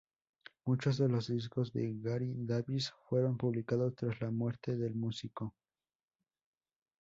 Muchos de los discos de Gary Davis fueron publicados tras la muerte del músico.